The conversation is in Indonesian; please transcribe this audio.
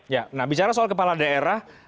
ya nah bicara soal kepala daerah